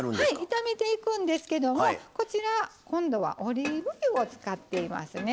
炒めていくんですけどもこちら今度はオリーブ油を使っていますね。